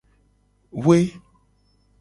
We.